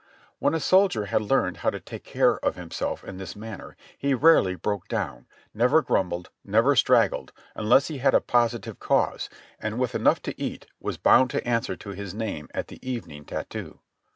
When a soldier had learned how to take care of himself in this manner he rarely broke down, never grumbled, never straggled unless he had a positive cause, and with enough to eat was bound to answer to his name at the evening tattoo.